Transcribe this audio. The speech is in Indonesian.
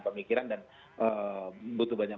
pemikiran dan butuh banyak